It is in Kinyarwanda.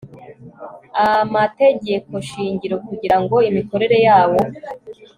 amategekoshingiro kugira ngo imikorere yawo